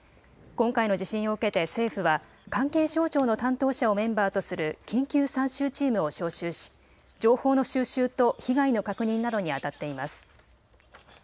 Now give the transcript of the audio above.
今回の地震を受けて政府は関係省庁の担当者をメンバーとする緊急参集チームを招集し情報の収集と被害の確認などにあたっています。